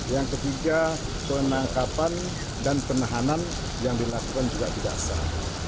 yang ketiga penangkapan dan penahanan yang dilakukan juga tidak sah